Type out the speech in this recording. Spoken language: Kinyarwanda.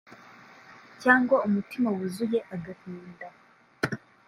cyangwa umutima wuzuye agahinda